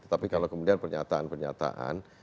tetapi kalau kemudian pernyataan pernyataan